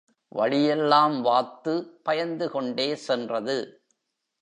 வழியெல்லாம் வாத்து பயந்துகொண்டே சென்றது.